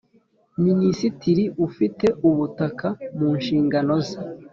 Minisitiri ufite ubutaka mu nshingano ze